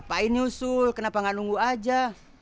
pak inyusul kenapa gak nunggu aja